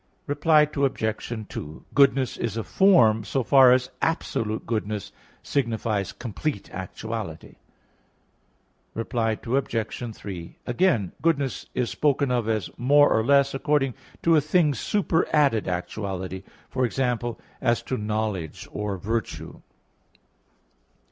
Reply Obj. 2: Goodness is a form so far as absolute goodness signifies complete actuality. Reply Obj. 3: Again, goodness is spoken of as more or less according to a thing's superadded actuality, for example, as to knowledge or virtue.